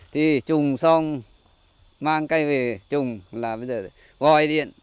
thì trùng xong mang cây về trùng là bây giờ gọi điện